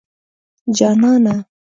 جانانه